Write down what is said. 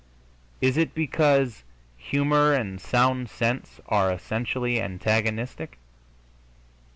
Is it because humor and sound sense are essentially antagonistic?